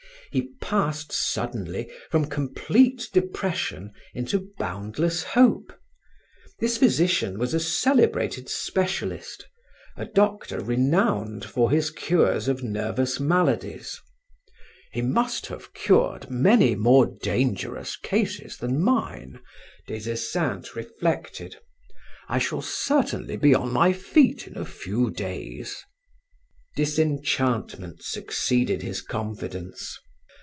He passed suddenly from complete depression into boundless hope. This physician was a celebrated specialist, a doctor renowned for his cures of nervous maladies "He must have cured many more dangerous cases than mine," Des Esseintes reflected. "I shall certainly be on my feet in a few days." Disenchantment succeeded his confidence.